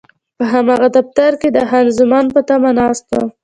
په هماغه دفتر کې د خان زمان په تمه ناست وم.